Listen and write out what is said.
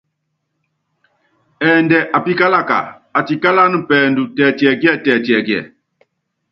Ɛɛndɛ apíkálaka, atíkálána pɛɛdu tɛtiɛkíɛtɛtiɛkiɛ.